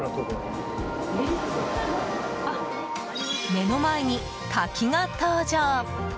目の前に滝が登場。